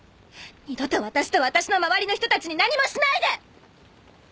二度と私と私の周りの人たちに何もしないで！